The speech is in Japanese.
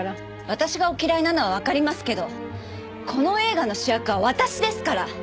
私がお嫌いなのはわかりますけどこの映画の主役は私ですから！